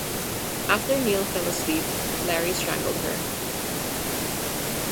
After Neal fell asleep Larry strangled her.